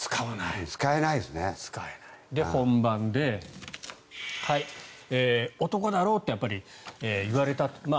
で、本番で男だろって言われたと。